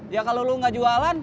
ya kalau lo gak jualan